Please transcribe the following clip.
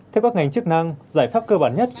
theo các ngành chức năng giải pháp cơ bản nhất